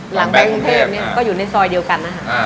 หลังแบบกรุงเทพฯก็อยู่ในซอยเดียวกัน